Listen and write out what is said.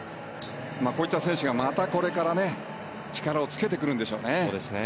こういった選手が、またこれから力をつけてくるんでしょうね。